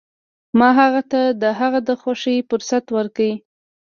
ما هغه ته د هغه د خوښې فرصت ورکړ.